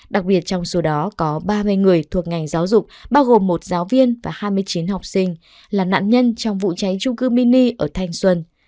đặc biệt trong số đó có ba mươi người thuộc ngành giáo dục bao gồm một giáo viên và hai mươi chín học sinh là nạn nhân trong vụ cháy trung cư mini ở thanh xuân